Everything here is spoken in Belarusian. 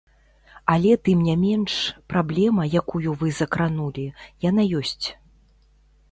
Але тым не менш, праблема, якую вы закранулі, яна ёсць.